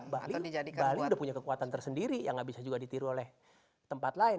bali sudah punya kekuatan tersendiri yang nggak bisa juga ditiru oleh tempat lain